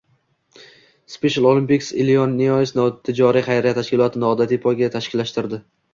Special Olympics Illinois notijoriy xayriya tashkiloti noodatiy poyga tashkillashtirdi